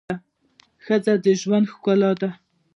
ښځه د ژوند ښکلا ده.